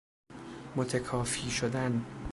متکافی شدن